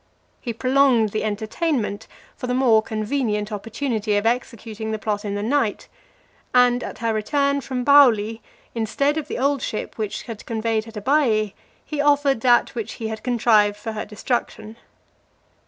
He prolonged the entertainment, for the more convenient opportunity of executing the plot in the night; and at her return for Bauli , instead of the old ship which had conveyed her to Baiae, he offered that which he had contrived for her destruction.